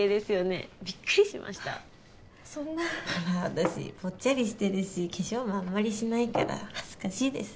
私ぽっちゃりしてるし化粧もあんまりしないから恥ずかしいです。